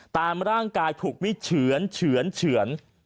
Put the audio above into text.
ตามร่างกายถูกได้เฉือน